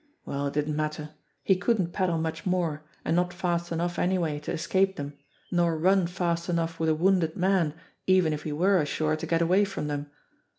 Well, it didn't matter ! He couldn't paddle much more, and not fast enough anyway to escape them, nor run fast enough with a wounded man even if he were ashore to get away from them.